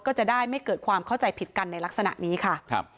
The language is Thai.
ก็จะได้ไม่เกิดความเข้าใจผิดกันในลักษณะนี้ค่ะครับ